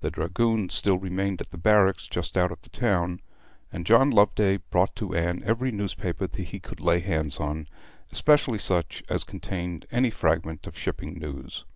The dragoons still remained at the barracks just out of the town, and John Loveday brought to Anne every newspaper that he could lay hands on, especially such as contained any fragment of shipping news.